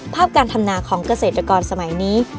การทำนาของเกษตรกรสมัยนี้